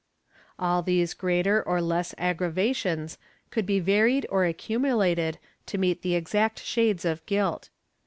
All these greater or less aggravations could be varied or accumulated to meet the exact shades of guilt.